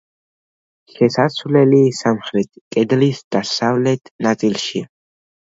შესასვლელი სამხრეთ კედლის დასავლეთ ნაწილშია.